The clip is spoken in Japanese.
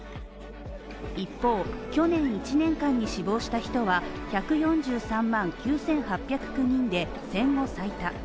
一方、去年１年間に死亡した人は１４３万９８０９人で戦後最多。